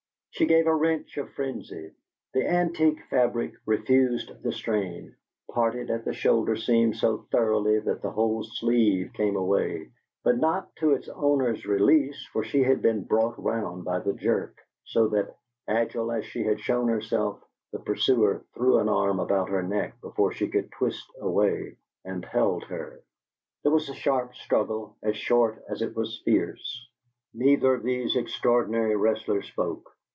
She gave a wrench of frenzy; the antique fabric refused the strain; parted at the shoulder seam so thoroughly that the whole sleeve came away but not to its owner's release, for she had been brought round by the jerk, so that, agile as she had shown herself, the pursuer threw an arm about her neck, before she could twist away, and held her. There was a sharp struggle, as short as it was fierce. Neither of these extraordinary wrestlers spoke.